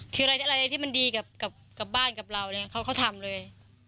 คืออะไรอะไรที่มันดีกับกับบ้านกับเราเนี้ยเขาเขาทำเลย